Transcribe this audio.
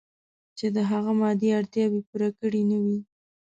چې د هغه مادي اړتیاوې پوره کړې نه وي.